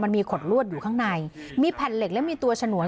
มีขดลวดอยู่ข้างในมีแผ่นเหล็กและมีตัวฉนวน